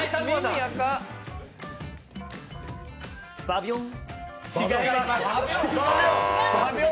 バビョン。